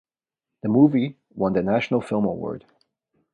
This movie won the National Film Award.